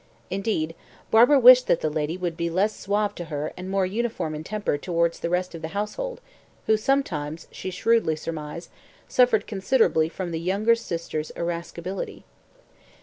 Indeed, Barbara wished that the lady would be less suave to her and more uniform in temper towards the rest of the household, who sometimes, she shrewdly surmised, suffered considerably from the younger sister's irascibility.